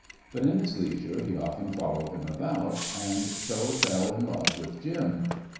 But in his leisure he often followed them about, and so fell in love with Jim.